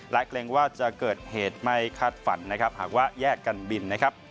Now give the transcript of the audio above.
และแกล่งว่าจะเกิดเหตุไม่คาดฝันหากว่าแยกกันบิน